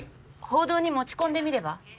報道に持ち込んでみれば？